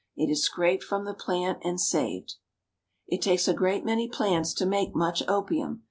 It is scraped from the plant and saved. It takes a great many plants to make much opium.